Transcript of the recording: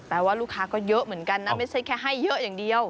ว่าลูกค้าก็เยอะเหมือนกันนะไม่ใช่แค่ให้เยอะอย่างเดียว